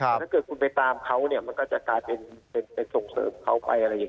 ถ้าเกิดคุณไปตามเขามันก็จะกลายเป็นส่งเสริมเขาไป